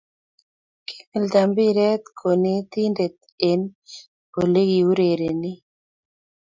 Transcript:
Kimilta mpiret konetinte eng ole kiurerenei